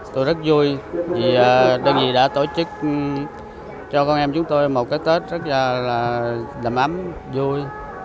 tôi rất vui vì đơn vị đã tổ chức cho con em chúng tôi một cái tết rất là đầm ấm vui